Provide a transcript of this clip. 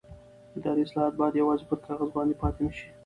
اداري اصلاحات باید یوازې پر کاغذ پاتې نه شي